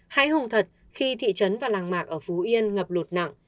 hãy hùng thật khi thị trấn và làng mạc ở phú yên ngập lụt nặng